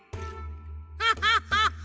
ハハハハ！